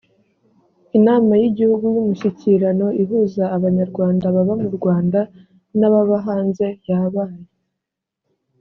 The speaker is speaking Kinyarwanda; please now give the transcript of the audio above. inama y’igihugu y’umushyikirano ihuza abanyarwanda baba mu rwanda nababa hanze yabaye